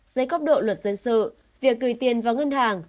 dưới góc độ luật dân sự việc gửi tiền vào ngân hàng